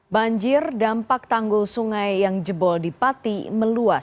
banjir dampak tanggul sungai yang jebol di pati meluas